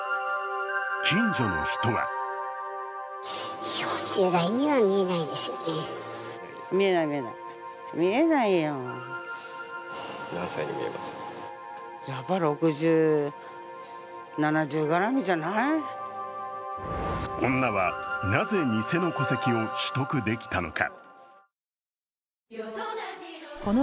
近所の人は女はなぜ偽の戸籍を取得できたのか。